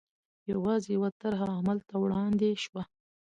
یوازې یوه طرحه عمل ته وړاندې شوه.